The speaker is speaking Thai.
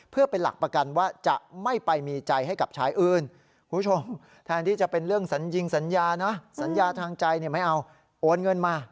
เพื่อเป็นหลักประกันว่าจะไม่ไปมีใจให้กับชายอื่น